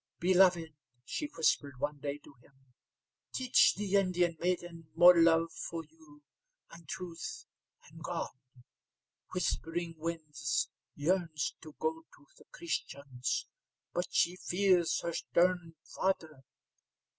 "Beloved," she whispered one day to him, "teach the Indian maiden more love for you, and truth, and God. Whispering Winds yearns to go to the Christians, but she fears her stern father.